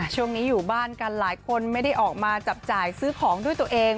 ช่วงนี้อยู่บ้านกันหลายคนไม่ได้ออกมาจับจ่ายซื้อของด้วยตัวเอง